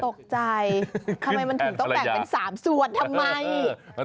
ตกใจทำไมถึงต้องแบ่งเป็น๓ส่วน